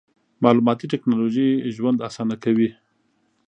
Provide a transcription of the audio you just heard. مالوماتي ټکنالوژي ژوند اسانه کوي.